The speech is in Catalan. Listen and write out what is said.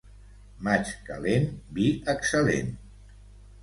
Maig calent, vi excel·lent.